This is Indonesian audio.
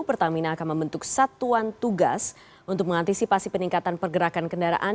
pertamina akan membentuk satuan tugas untuk mengantisipasi peningkatan pergerakan kendaraan